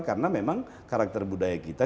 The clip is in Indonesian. karena memang karakter budaya kita